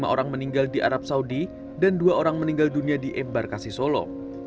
lima orang meninggal di arab saudi dan dua orang meninggal dunia di embarkasi solo